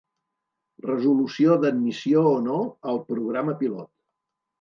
Resolució d'admissió o no al Programa pilot.